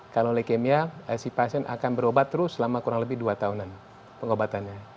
kalau leukemia si pasien akan berobat terus selama kurang lebih dua tahunan pengobatannya